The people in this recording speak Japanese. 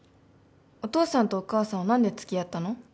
お父さんとお母さんは何で付き合ったの？